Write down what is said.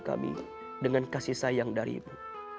kami dengan kasih sayang darimu